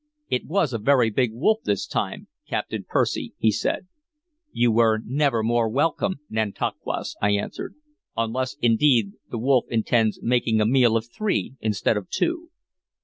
"It was a very big wolf this time, Captain Percy," he said. "You were never more welcome, Nantauquas," I answered, "unless, indeed, the wolf intends making a meal of three instead of two."